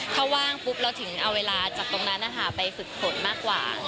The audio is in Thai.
ถ้าว่างปุ๊บเราถึงเอาเวลาจากตรงนั้นไปฝึกฝนมากกว่า